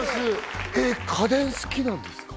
家電好きなんですか？